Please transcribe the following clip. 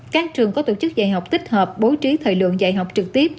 các trường có tổ chức dạy học tích hợp bố trí thời lượng dạy học trực tiếp